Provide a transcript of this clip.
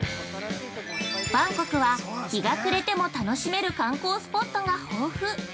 ◆バンコクは日が暮れても楽しめる観光スポットが豊富。